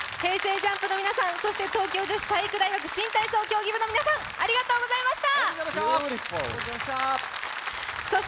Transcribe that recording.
ＪＵＭＰの皆さん、そして東京女子体育大学新体操競技部の皆さんありがとうございました。